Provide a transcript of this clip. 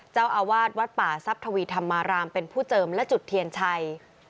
เจ้าอาวาสวัดป่าทรัพย์ทวีธรรมารามเป็นผู้เจิมและจุดเทียนชัย